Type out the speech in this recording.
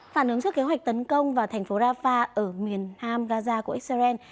phản ứng cho kế hoạch tấn công vào thành phố rafah ở miền nam gaza của israel